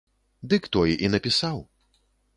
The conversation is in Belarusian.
Дык той і напісаў.